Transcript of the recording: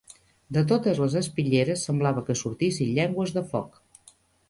De totes les espitlleres semblava que sortissin llengües de foc